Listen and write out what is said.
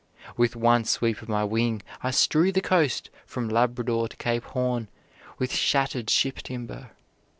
With one sweep of my wing I strew the coast from Labrador to Cape Horn with shattered ship timber.